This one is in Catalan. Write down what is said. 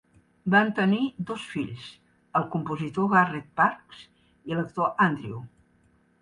Van tenir dos fills, el compositor Garrett Parks i l'actor Andrew.